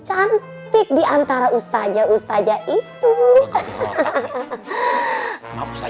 cantik diantara ustazah ustazah itu ini udah sarap seri empatnya aduh sirege ngomong boleh